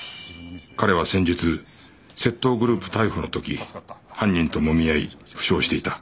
彼は先日窃盗グループ逮捕の時犯人ともみ合い負傷していた